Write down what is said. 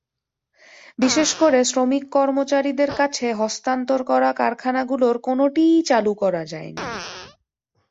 বিশেষ করে শ্রমিক-কর্মচারীদের কাছে হস্তান্তর করা কারখানাগুলোর কোনোটিই চালু করা যায়নি।